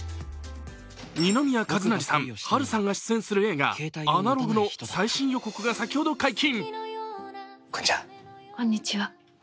二宮和也さん、波瑠さんが出演する映画「アナログ」の最新予告が先ほど解禁。